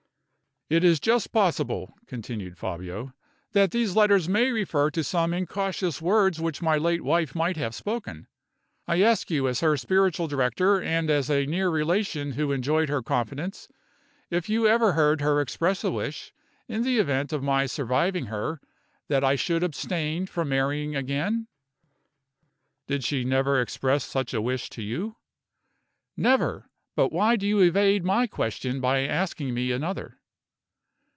"It is just possible," continued Fabio, "that these letters may refer to some incautious words which my late wife might have spoken. I ask you as her spiritual director, and as a near relation who enjoyed her confidence, if you ever heard her express a wish, in the event of my surviving her, that I should abstain from marrying again?" "Did she never express such a wish to you?" "Never. But why do you evade my question by asking me another?"